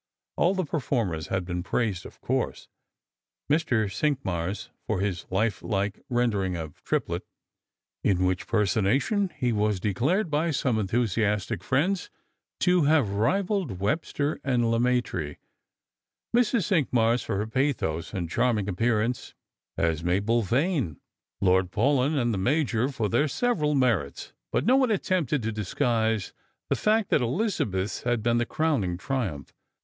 All the per formers had been praised, of course — Mr. Cinqmars for his life like rendering of Triplet, in which personation he was declared by some enthusiastic friends to nave rivalled Webster and Leraaitre ; Mrs. Cinqmars for her pathos and charming appear ance as Mabel Vane; Lord Paulyn and the Major for their "leveral merits; but no one attempted to disc^uise the fact that Elizabeth's had been the crowning triumph.